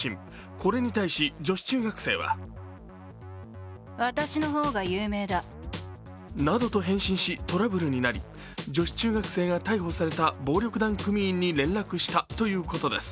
これに対し、女子中学生はなどと返信しトラブルになり、女子中学生が逮捕された暴力団組員に連絡したということです。